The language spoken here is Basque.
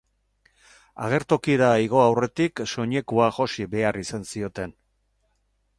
Agertokira igo aurretik soinekoa josi behar izan zioten.